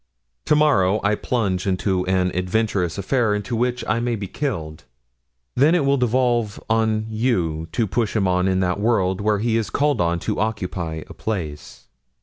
To morrow I plunge into an adventurous affair in which I may be killed. Then it will devolve on you to push him on in that world where he is called on to occupy a place."